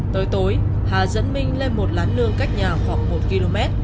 tối tối hà dẫn mình lên một lán lương cách nhà khoảng một km